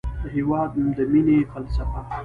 د هېواد د مینې فلسفه